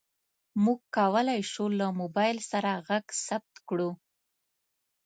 موږ کولی شو له موبایل سره غږ ثبت کړو.